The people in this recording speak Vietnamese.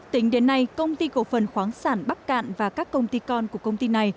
tính đến nay công ty cổ phần khoáng sản bắc cạn và các công ty con của công ty này